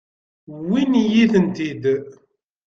Wwin-iyi-tent-id.